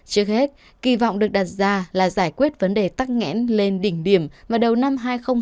trước hết kỳ vọng được đặt ra là giải quyết vấn đề tắc ngãn lên đỉnh điểm vào đầu năm hai nghìn hai mươi một